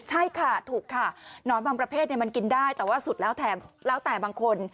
ใช่ค่ะถูกค่ะหนอนบางประเภทมันกินได้แต่ว่าสุดแล้วแถมแล้วแต่บางคน